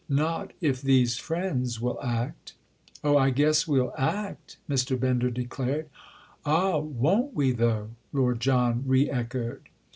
"Not if these friends will act." "Oh, I guess we'll act!" Mr. Bender declared. "Ah, won't we though!" Lord John re echoed.